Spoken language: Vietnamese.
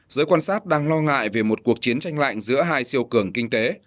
giới quan sát đang lo ngại về một cuộc chiến tranh lạnh giữa hai siêu cường kinh tế